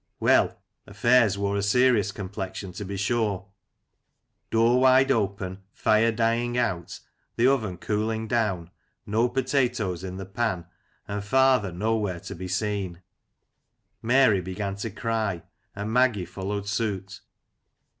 Well, aflfairs wore a serious complexion to be sure — door wide open, fire dying out, the oven cooling down, no potatoes in the pan, and father nowhere to be seen! Mary began to cry, and Maggie followed suit.